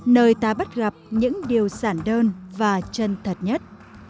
nơi ta bắt gặp những điều giản đơn và chân thật nhất